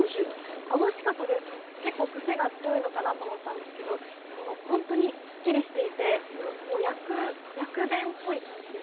結構くせが強いのかなと思ったんですけど、本当にすっきりしていて、薬膳っぽい感じです。